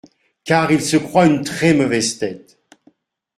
Car il se croit une très mauvaise tête.